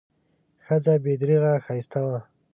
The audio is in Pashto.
ښځه بې درېغه ښایسته وه.